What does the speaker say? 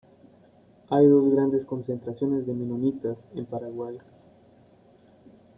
Hay dos grandes concentraciones de menonitas en Paraguay.